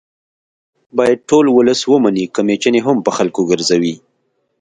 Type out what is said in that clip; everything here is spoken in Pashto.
باید ټول ولس ومني که میچنې هم په خلکو ګرځوي